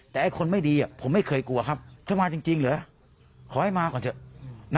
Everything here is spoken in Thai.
แต่ไอ้คนไม่ดีผมไม่เคยกลัวครับจะมาจริงเหรอขอให้มาก่อนเถอะ